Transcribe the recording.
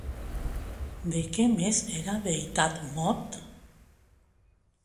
De què més era deïtat Mot?